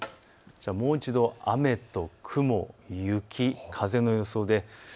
もう一度、雨と雲、雪、風の予想です。